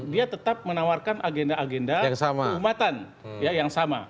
dia tetap menawarkan agenda agenda keumatan yang sama